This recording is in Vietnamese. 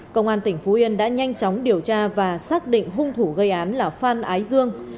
công an tỉnh phú yên đã nhanh chóng điều tra và xác định hung thủ gây án là phan ái dương